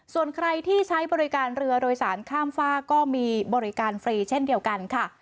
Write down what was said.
ส่วนใครที่ใช้บริการเรือโดยสารข้ามฝากก็มีบริการฟรีเช่นเดียวกันค่ะ